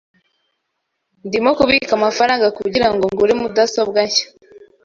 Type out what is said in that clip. Ndimo kubika amafaranga kugirango ngure mudasobwa nshya.